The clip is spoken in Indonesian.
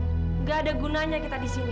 tidak ada gunanya kita di sini